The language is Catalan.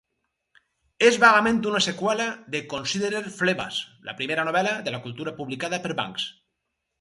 És vagament una seqüela de "Consider Phlebas", la primera novel·la de la Cultura publicada per Banks.